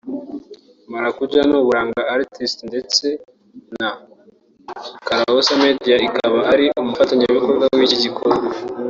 Marakuja n’Uburanga Artists ndetse na Kalaos Media ikaba ari umufatanyabikwa w’iki gikorwa